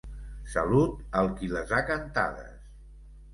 Salut al qui les ha cantades!